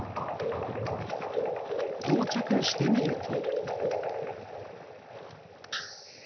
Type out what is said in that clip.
到着してみると。